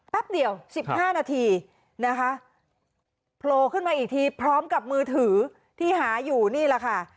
เดียว๑๕นาทีนะคะโผล่ขึ้นมาอีกทีพร้อมกับมือถือที่หาอยู่นี่แหละค่ะ